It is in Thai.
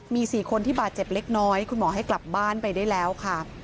มี๔คนที่บาดเจ็บเล็กน้อยคุณหมอให้กลับบ้านไปได้แล้วค่ะ